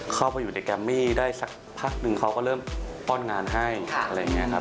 เข้าไปอยู่ในแกรมมี่ได้สักพักนึงเขาก็เริ่มป้อนงานให้อะไรอย่างนี้ครับ